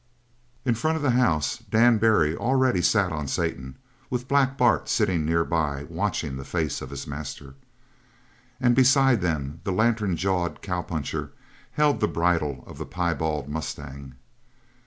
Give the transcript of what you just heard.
In front of the house Dan Barry already sat on Satan with Black Bart sitting nearby watching the face of his master. And beside them the lantern jawed cowpuncher held the bridle of the piebald mustang.